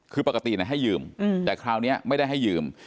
คือปกติให้ยืมแต่คราวนี้ไม่ได้ให้ยืม